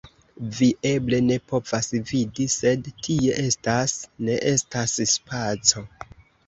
Vi eble ne povas vidi, sed tie estas… Ne estas spaco.